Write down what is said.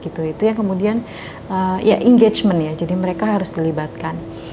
itu yang kemudian ya engagement ya jadi mereka harus dilibatkan